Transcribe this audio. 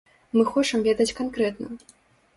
Мы хочам ведаць канкрэтна.